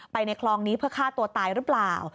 ในคลองนี้เพื่อฆ่าตัวตายหรือเปล่า